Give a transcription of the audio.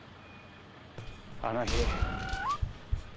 あの日。